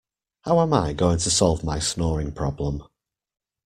How am I going to solve my snoring problem?